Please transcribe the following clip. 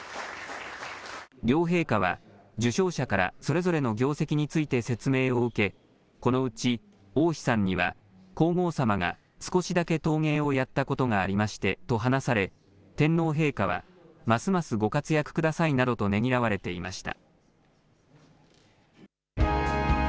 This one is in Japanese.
両陛下は、受賞者からそれぞれの業績について説明を受け、このうち、大樋さんには、皇后さまが、少しだけ陶芸をやったことがありましてと話され、天皇陛下はますますご活躍くださいなどとねぎらわれていました。